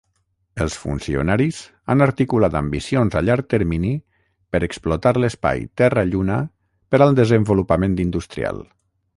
Els funcionaris han articulat ambicions a llarg termini per explotar l'espai Terra-Lluna per al desenvolupament industrial.